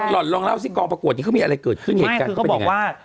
ห่อนลองเล่าสิกองประกวดนี้เขามีอะไรเกิดขึ้นเหตุการณ์ก็เป็นยังไง